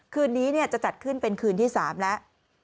คืนนี้จะจัดขึ้นเป็นคืนที่๓แล้ว